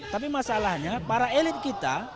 tapi masalahnya para elit kita